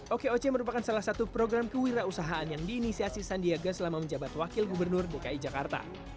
okoc merupakan salah satu program kewirausahaan yang diinisiasi sandiaga selama menjabat wakil gubernur dki jakarta